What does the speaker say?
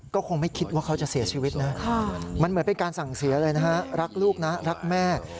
ก็คงไม่คิดว่าเขาจะเสียชีวิตนะมันเหมือนเป็นการสั่งเสียเลยนะฮะรักลูกนะรักแม่